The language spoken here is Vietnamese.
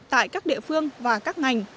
tại các địa phương và các ngành